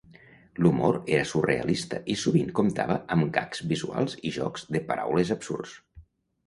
L'humor era surrealista i sovint comptava amb gags visuals i jocs de paraules absurds.